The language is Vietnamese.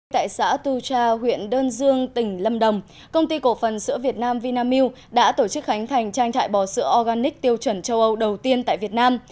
tại xã tu cha huyện đơn dương tỉnh lâm đồng công ty cổ phần sữa việt nam vinamilk đã tổ chức khánh thành trang trại bò sữa organic tiêu chuẩn châu âu đầu tiên tại việt nam